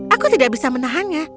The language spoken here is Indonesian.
aku tidak bisa menahannya